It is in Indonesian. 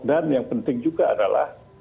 dan yang penting juga adalah